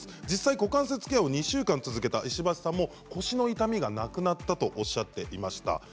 実際、股関節ケアを２週間続けた石橋さんも腰の痛みがなくなったとおっしゃっていました。